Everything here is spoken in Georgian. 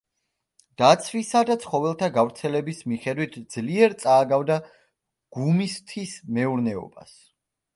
დაცვისა და ცხოველთა გავრცელების მიხედვით ძლიერ წააგავდა გუმისთის მეურნეობას.